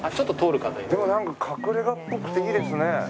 でもなんか隠れ家っぽくていいですね。